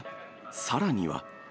さらには。